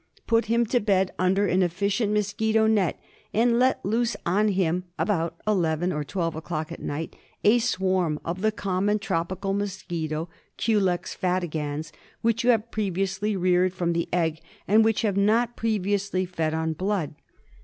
Put him to bed under an efficient mosquito net, and let loose on him about eleven or twelve o'clock at night a swarm of the common tropi cal mosquito (Culex fatigans), which you have previously reared from the egg and which had not previously fed on blood.